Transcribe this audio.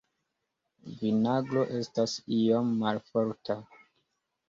Vinagro estas iom malforta.